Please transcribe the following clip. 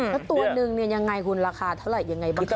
แล้วตัวนึงเนี่ยยังไงคุณราคาเท่าไหร่ยังไงบ้างคะ